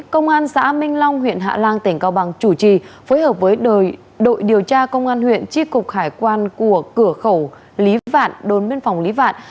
công an xã minh long huyện hạ lan tỉnh cao bằng chủ trì phối hợp với đội điều tra công an huyện tri cục hải quan của cửa khẩu lý vạn đồn biên phòng lý vạn